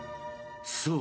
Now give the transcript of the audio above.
［そう。